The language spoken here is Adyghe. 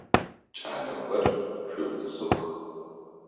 Кӏалэхэр, шъутӏысых!